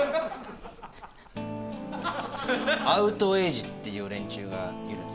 アウトエイジっていう連中がいるんですよ。